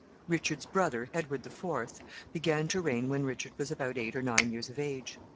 Richard's brother, Edward the Fourth, began to reign when Richard was about eight or nine years of age.